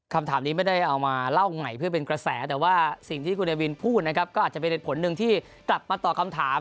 คำถามนี้ไม่ได้เอามาเล่าไหนเพื่อเป็นกระแสแต่ว่าสิ่งที่กูนับมือพูดนะครับก็อาจจะเป็นเหลือคำถามมาต่อกับทุก